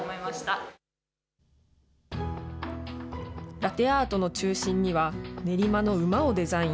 ラテアートの中心には、練馬の馬をデザイン。